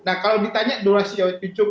nah kalau ditanya durasi waktu itu itu cukup